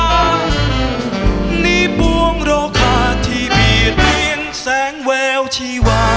นี่บวงโรคาที่มีเพียงแสงแววชีวา